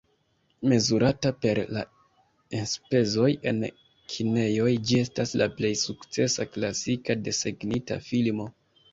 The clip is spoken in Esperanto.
Mezurata per la enspezoj en kinejoj ĝi estas la plej sukcesa klasika desegnita filmo.